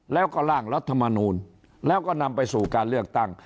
แล้วก็ร่างรัฐมนูลแล้วก็นำไปสู่การเลือกตั้ง